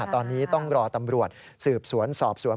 ตอนนี้ต้องรอตำรวจสืบสวนสอบสวน